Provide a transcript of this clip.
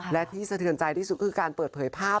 และที่สะเทือนใจที่สุดคือการเปิดเผยภาพ